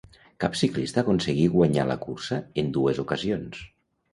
Cap ciclista aconseguí guanyar la cursa en dues ocasions.